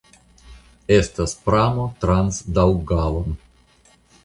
Estas pramo trans Daŭgavon.